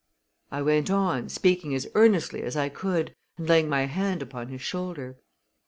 I went on, speaking as earnestly as I could and laying my hand upon his shoulder.